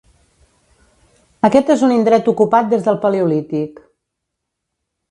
Aquest és un indret ocupat des del Paleolític.